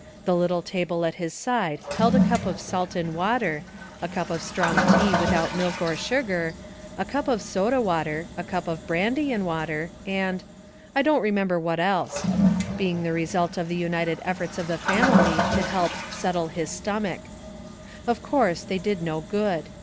The little table at his side held a cup of salt and water, a cup of strong tea without milk or sugar, a cup of soda water, a cup of brandy and water, and —< I don't remember what else ; being the result of Smoke and Bewilderment, 63 the united efforts of the family to help "settle his stomach." Of course they did no good.